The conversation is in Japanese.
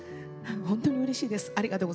本当にうれしいです。